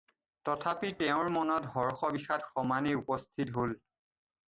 তথাপি তেওঁৰ মনত হৰ্ষ-বিষাদ সমানে উপস্থিত হ'ল।